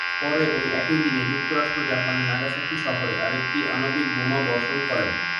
পরে ঐ একই দিনে, যুক্তরাষ্ট্র জাপানের নাগাসাকি শহরে আরেকটি আণবিক বোমা বর্ষণ করে।